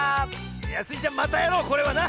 いやスイちゃんまたやろうこれはな！